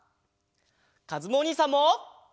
かずむおにいさんも！